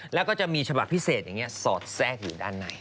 แล้วก็จะมีฉบับพิเศษอย่างนี้สอดแทรกอยู่ด้านใน